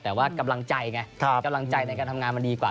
แต่ว่ากำลังใจไงกำลังใจในการทำงานมันดีกว่า